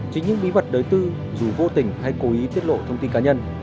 chính những bí mật đối tư dù vô tình hay cố ý tiết lộ thông tin cá nhân